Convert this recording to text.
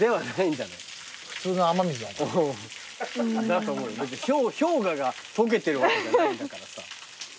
だって氷河が解けてるわけじゃないんだからさ。